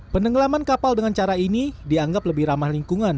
penenggelaman kapal dengan cara ini dianggap lebih ramah lingkungan